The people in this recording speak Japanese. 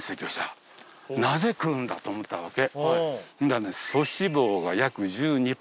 なぜ食うんだ？と思ったわけ。